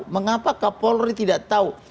mengapa kapolri tidak tahu